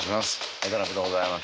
渡辺でございます